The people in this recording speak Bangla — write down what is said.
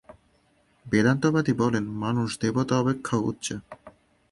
বেদান্তবাদী বলেন, মানুষ দেবতা অপেক্ষাও উচ্চে।